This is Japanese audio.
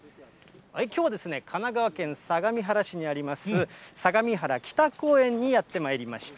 きょうは神奈川県相模原市にあります、相模原北公園にやってまいりました。